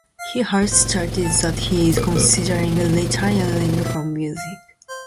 He has stated that he is considering retiring from music.